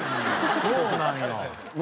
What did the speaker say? そうなんや。